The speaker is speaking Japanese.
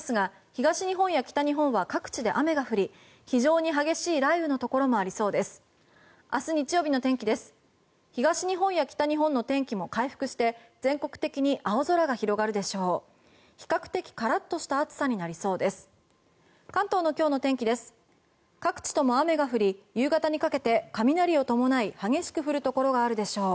東日本や北日本の天気も回復して全国的に青空が広がるでしょう。